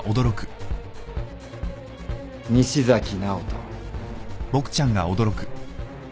西崎直人。